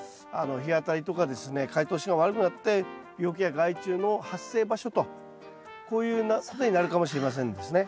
風通しが悪くなって病気や害虫の発生場所とこういうことになるかもしれませんですね。